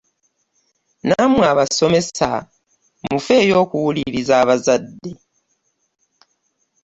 Nammwe abasomesa mufeeyo okuwuliriza abazadde.